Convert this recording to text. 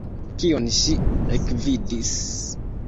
Kion ŝi ekvidis!